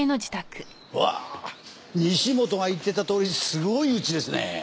うわ西本が言ってたとおりすごいうちですねえ。